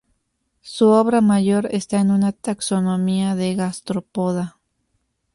Su obra mayor está en una Taxonomía de Gastropoda.